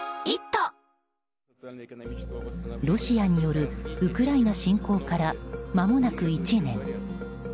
ロシアによるウクライナ侵攻からまもなく１年。